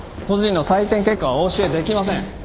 個人の採点結果はお教えできません。